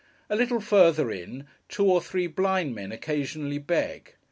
A little further in, two or three blind men occasionally beg.